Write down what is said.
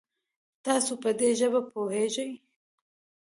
تاسو په دي ژبه پوهږئ؟